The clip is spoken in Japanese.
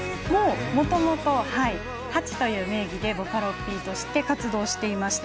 もともとハチという名義でボカロＰとして活動していました。